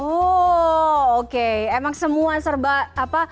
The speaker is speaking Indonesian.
oh oke emang semua serba apa